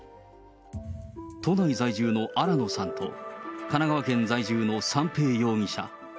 都内在住の新野さんと、神奈川県在住の三瓶容疑者。